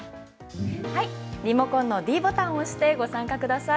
リモコンのｄボタンを押してご参加ください。